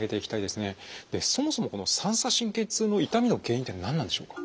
そもそもこの三叉神経痛の痛みの原因っていうのは何なんでしょうか？